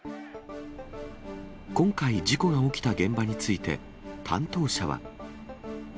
今回、事故が起きた現場について担当者は。